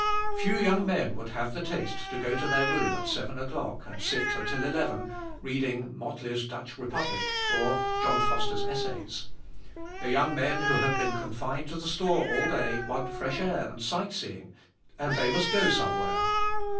Few young men would have the taste to go to their room at seven o'clock, and sit until eleven, reading Motley's Dutch Republic or John Foster's Essays. The young men who have been confined to the store all day want fresh air and sight seeing; and they must go somewhere.